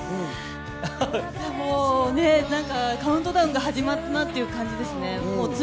うん、もうカウントダウンが始まったという感じですね。